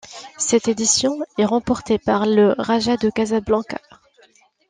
Cette édition est remportée par le Raja de Casablanca.